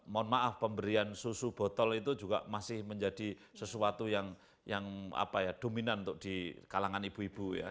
mohon maaf pemberian susu botol itu juga masih menjadi sesuatu yang dominan untuk di kalangan ibu ibu ya